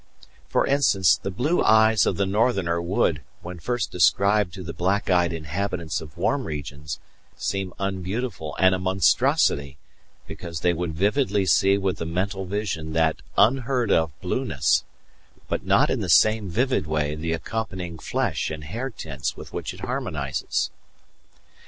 For instance, the blue eyes of the northerner would, when first described to the black eyed inhabitants of warm regions, seem unbeautiful and a monstrosity, because they would vividly see with the mental vision that unheard of blueness, but not in the same vivid way the accompanying flesh and hair tints with which it harmonizes.